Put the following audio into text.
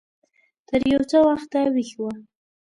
تر يو څه وخته ويښ و.